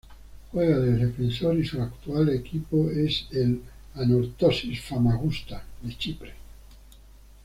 Juega de Defensor y su actual equipo es el Anorthosis Famagusta de Chipre.